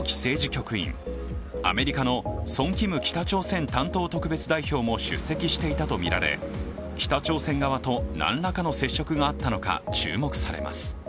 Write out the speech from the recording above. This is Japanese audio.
局員アメリカのソン・キム北朝鮮担当特別代表も出席していたとみられ、北朝鮮側と何らかの接触があったのか、注目されます。